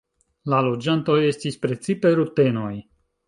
La loĝantoj estis precipe rutenoj.